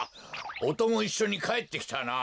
おともいっしょにかえってきたな。